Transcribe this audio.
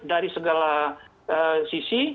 dari segala sisi